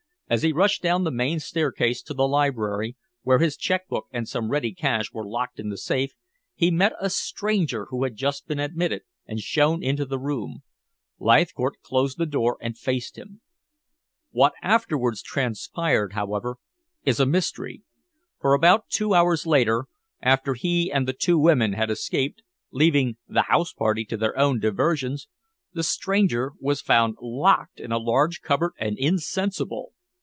As he rushed down the main staircase to the library, where his check book and some ready cash were locked in the safe, he met a stranger who had just been admitted and shown into the room. Leithcourt closed the door and faced him. What afterwards transpired, however, is a mystery, for two hours later, after he and the two women had escaped, leaving the house party to their own diversions, the stranger was found locked in a large cupboard and insensible.